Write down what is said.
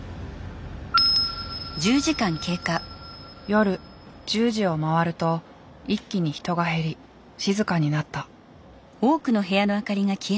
夜１０時を回ると一気に人が減り静かになった。